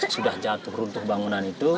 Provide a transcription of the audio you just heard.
sudah jatuh runtuh bangunan itu